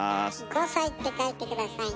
「５さい」って書いて下さいね。